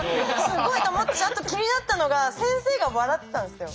すごいと思ったしあと気になったのが先生が笑ってたんですよ。